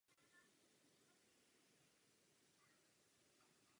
Dynamickým výběrem kanálu přináší také lepší pokrytí jednotlivých kanálů.